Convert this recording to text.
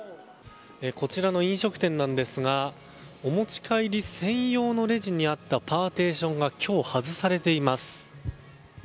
こちらの飲食店なんですがお持ち帰り専用のレジにあったパーティションが今日、外されています。